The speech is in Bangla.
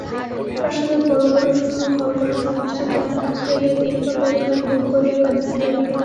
প্রাসাদের বড়ো বড়ো শূন্য ঘরগুলো সমস্ত দ্বার আছড়াইয়া তীব্র বেদনায় হুহু করিয়া কাঁদিতে লাগিল।